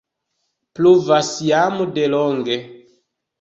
Pluvas jam de longe.